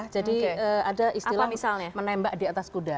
jadi ada istilah menembak di atas kuda